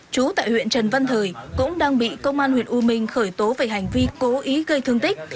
chú tại huyện trần văn thời cũng đang bị công an huyện u minh khởi tố về hành vi cố ý gây thương tích